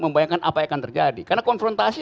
membayangkan apa yang akan terjadi karena konfrontasi